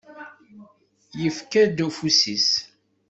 Yefka-d ufus-is.